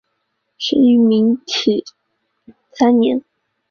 生于明天启三年。